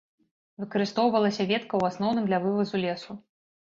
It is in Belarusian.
Выкарыстоўвалася ветка ў асноўным для вывазу лесу.